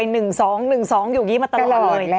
๑๒อยู่ที่นี่มาตลอดเลย